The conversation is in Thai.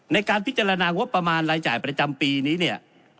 ในการพิจารณางบประมาณรายจ่ายประจำปีนี้เนี่ย